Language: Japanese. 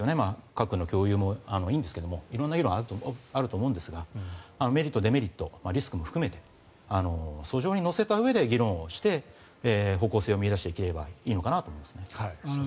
核の議論もいいんですけど色んな議論があると思うんですがメリット、デメリットリスクも含めて俎上に載せたうえで議論して方向性を見出していければと。